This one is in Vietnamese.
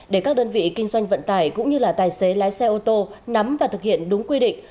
để các đơn vị kinh doanh vận tải cũng như là tài xế lái xe ô tô nắm và thực hiện đúng quy định